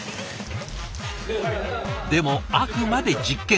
でもあくまで実験。